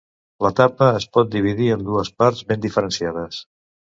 L'etapa es pot dividir en dues parts ben diferenciades.